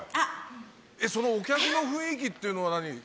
そのお客の雰囲気っていうのは、何？